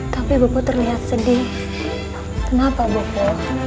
tapi bapak terlihat sedih kenapa boko